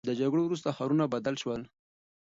د جګړو وروسته ښارونه بدل سول.